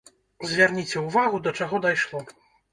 Звярніце ўвагу да чаго дайшло.